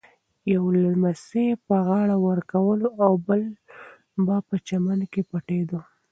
یوه لمسي به غاړه ورکوله او بل به په چمن کې پټېده.